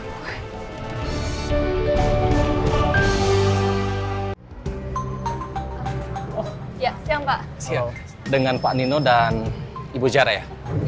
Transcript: siap siap dengan pak nino dan ibu zara ya